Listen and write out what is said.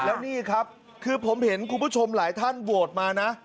แล้วนี่ครับคือผมเห็นคุณผู้ชมหลายท่านโหวตมานะ